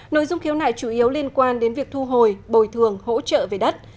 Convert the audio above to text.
nội dung khiếu nại chủ yếu liên quan đến việc thu hồi bồi thường hỗ trợ về đất